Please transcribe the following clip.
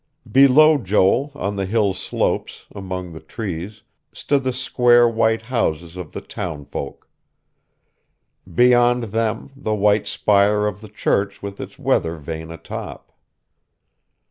Below Joel, on the hill's slopes, among the trees, stood the square white houses of the town folk. Beyond them, the white spire of the church with its weather vane atop.